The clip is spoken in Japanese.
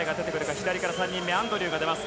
左から３人目、アンドリューが出ます。